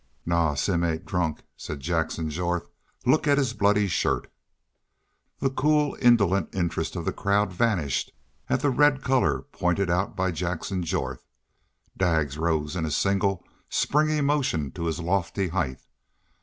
"Naw, Simm ain't drunk," said Jackson Jorth. "Look at his bloody shirt." The cool, indolent interest of the crowd vanished at the red color pointed out by Jackson Jorth. Daggs rose in a single springy motion to his lofty height.